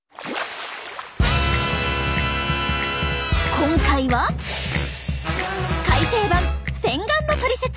今回は改訂版「洗顔のトリセツ」。